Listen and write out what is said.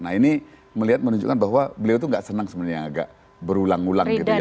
nah ini melihat menunjukkan bahwa beliau itu gak senang sebenarnya agak berulang ulang gitu ya